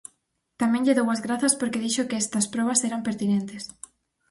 Tamén lle dou as grazas porque dixo que estas probas eran pertinentes.